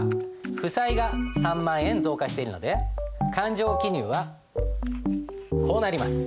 負債が３万円増加しているので勘定記入はこうなります。